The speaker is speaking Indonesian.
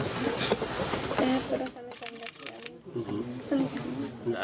ya perasaan sangat senang